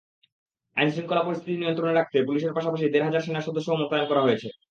আইনশৃঙ্খলা পরিস্থিতি নিয়ন্ত্রণে রাখতে পুলিশের পাশাপাশি দেড় হাজার সেনাসদস্যও মোতায়েন করা হয়েছে।